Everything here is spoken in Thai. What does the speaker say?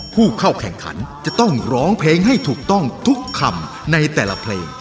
ผู้เข้าแข่งขันจะต้องร้องเพลงให้ถูกต้องทุกคำในแต่ละเพลง